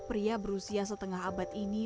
pria berusia setengah abad ini